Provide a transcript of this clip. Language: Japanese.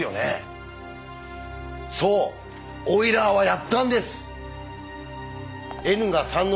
そうオイラーはやったんです！